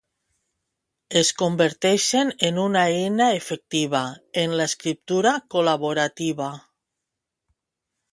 Es converteixen en una eina efectiva en l'escriptura col·laborativa.